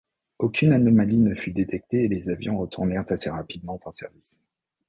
Aucune anomalie ne fut détectée et les avions retournèrent assez rapidement en service.